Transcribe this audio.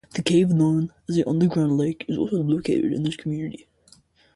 The cave known as the "Underground Lake" is also located in this community.